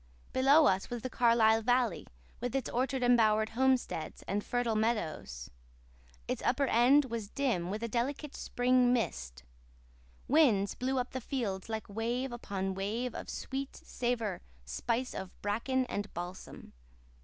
Below us was the Carlisle valley, with its orchard embowered homesteads, and fertile meadows. Its upper end was dim with a delicate spring mist. Winds blew up the field like wave upon wave of sweet savour spice of bracken and balsam.